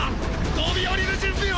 飛び降りる準備を！！